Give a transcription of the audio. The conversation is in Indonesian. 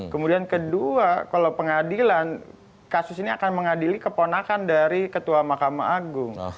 kemudian kedua kalau pengadilan kasus ini akan mengadili keponakan dari ketua mahkamah agung